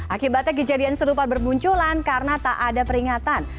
akibatnya kejadian serupa bermunculan karena tak ada peringatan